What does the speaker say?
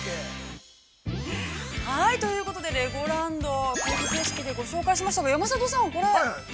◆ということで、レゴランド、クイズ形式でご紹介しましたが、山里さん、これ。